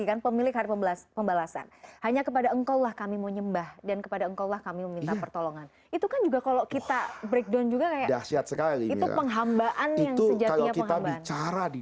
lagi kan pemilik harifulah pembalasan hanya kepada engkoulah kami menyembah dan kepada engkou tujuh puluh pertolongan itu kan juga kalau kita breakdown juga lagi berdiat segala itu penghambakan yaitu still kalau kita bicara di